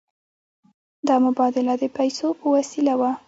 دا مبادله د پیسو په وسیله وشوه.